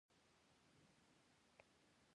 د ماشومانو لپاره د ورځې ورزش اړین دی.